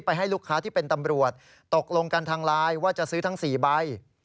ให้ลูกค้าที่เป็นตำรวจตกลงกันทางไลน์ว่าจะซื้อทั้ง๔ใบ